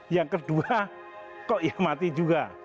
yang kedua kok ya mati juga